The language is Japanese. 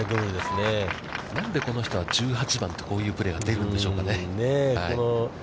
何でこの人は１８番とこういうプレーが出るんでしょうかね。